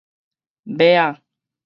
尾仔